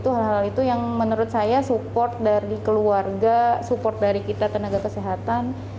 hal hal itu yang menurut saya support dari keluarga support dari kita tenaga kesehatan